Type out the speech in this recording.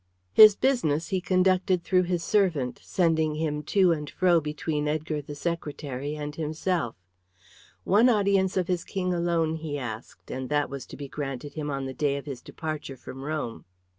His business he conducted through his servant, sending him to and fro between Edgar, the secretary, and himself. One audience of his King alone he asked, and that was to be granted him on the day of his departure from Rome.